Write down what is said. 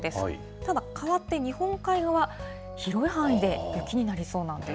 ただ、かわって日本海側、広い範囲で雪になりそうなんです。